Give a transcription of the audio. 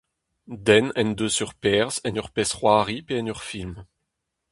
Den en deus ur perzh en ur pezh-c'hoari pe en ur film.